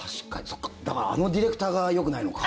そっか、だからあのディレクターがよくないのか。